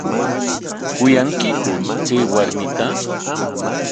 ¿Kuyankiku chay warmita?